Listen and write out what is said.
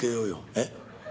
「えっ？」。